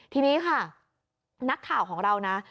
ทีนี้ค่ะนักข่าวของเรานะ